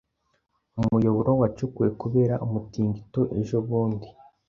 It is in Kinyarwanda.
Umuyoboro wacukuwe kubera umutingito ejobundi.